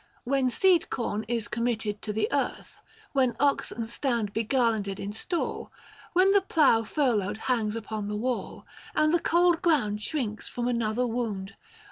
When seed corn is committed to the earth ; When oxen stand begarlanded in stall ; 715 When the plough furloughed hangs upon the wall ; And the cold ground shrinks from another wound.